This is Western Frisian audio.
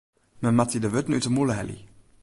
Men moat dy de wurden út 'e mûle helje.